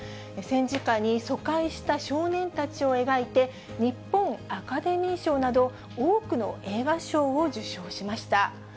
戦時下に疎開した少年たちを描いて、日本アカデミー賞など、多くの映画賞を受賞しました。